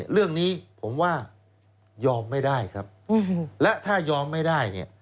เรื่องนี้ผมว่ายอมไม่ได้ครับและถ้ายอมไม่ได้เนี่ย